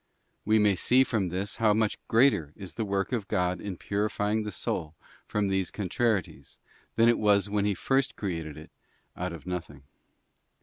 We may see from this how much greater is the work of God in purifying the soul from these contrarieties, than it was when He first created it out of nothing.